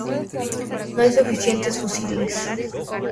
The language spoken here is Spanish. No hay suficientes fusiles.